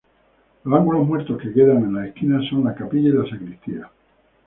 Los ángulos muertos que quedan en las esquinas son las capillas y la sacristía.